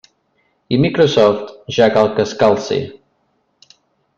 I Microsoft ja cal que es calci.